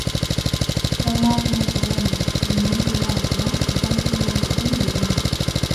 그러나 그네들은 운동꾼이 아니요 구경꾼인 것은 물론이다.